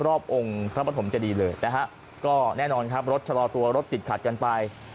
รอบองค์พระปฐมเจดีเลยนะฮะก็แน่นอนครับรถชะลอตัวรถติดขัดกันไป